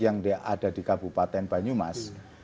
yang ada di kabupaten banyumas